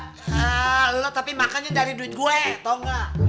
eh lo tapi makanya dari duit gue tau gak